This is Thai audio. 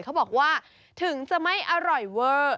เขาบอกว่าถึงจะไม่อร่อยเวอร์